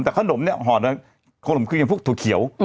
แต่ขนมเนี่ยห่อนั้นขนมกลางพุกโถ่เขียว